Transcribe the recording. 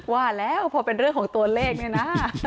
ว่าแล้วพอเป็นเรื่องของตัวเลขเนี่ยนะ